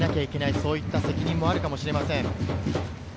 そういった責任があるかもしれません。